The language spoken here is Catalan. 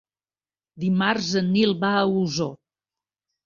Dimarts en Nil va a Osor.